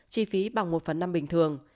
chi phí bằng một phần năm bình thường